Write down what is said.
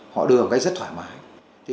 họ đưa một cái rất thoải mái